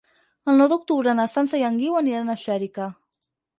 El nou d'octubre na Sança i en Guiu aniran a Xèrica.